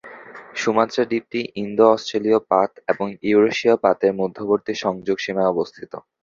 Sumatra দ্বীপটি ইন্দো-অস্ট্রেলীয় পাত এবং ইউরেশীয় পাতের মধ্যবর্তী সংযোগ সীমায় অবস্থিত।